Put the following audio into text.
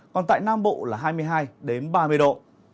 còn tại nam bộ là hai mươi hai ba mươi độ